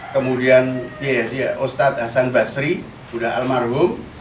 kemudian ustadzah hasan basri sudah almarhum